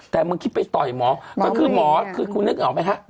แต่มึงคิดไปต่อยหมอก็คือหมอคือคุณนึกออกไหมฮะ